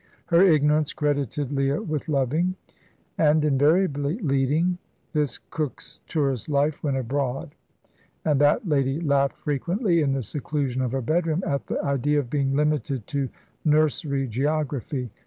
Her ignorance credited Leah with loving, and invariably leading, this Cook's tourist life when abroad; and that lady laughed frequently, in the seclusion of her bedroom, at the idea of being limited to nursery geography.